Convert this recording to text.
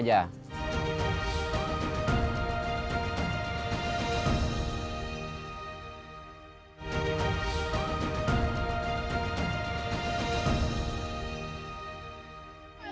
telah menjadi tempat terbahar itu